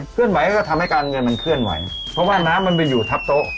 ไหวก็ทำให้การเงินมันเคลื่อนไหวเพราะว่าน้ำมันไปอยู่ทับโต๊ะ